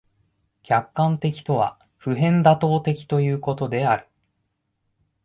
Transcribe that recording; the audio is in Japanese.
客観的とは普遍妥当的ということである。